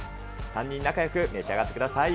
３人仲よく召し上がってください。